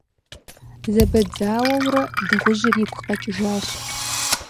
Зэбэдзауэурэ, дыгъужьыр игу къэкӏыжащ.